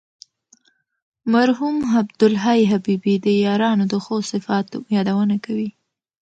مرحوم عبدالحی حبیبي د عیارانو د ښو صفاتو یادونه کوي.